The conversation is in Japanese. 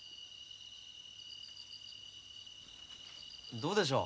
どうでしょう？